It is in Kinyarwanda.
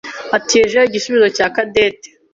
ategereje igisubizo cya Cadette.